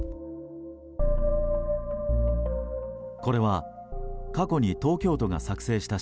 これは、過去に東京都が作成したＣＧ。